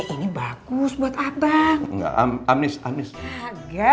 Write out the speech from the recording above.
ini bagus buat abang